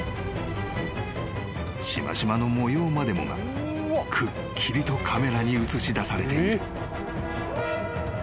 ［しましまの模様までもがくっきりとカメラに写し出されている］